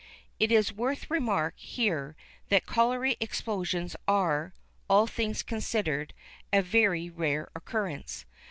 It is worth remark, here, that colliery explosions are, all things considered, a very rare occurrence.